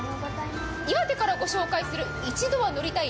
岩手からご紹介する「一度は乗りたい！